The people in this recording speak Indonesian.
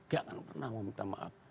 tidak akan pernah mau minta maaf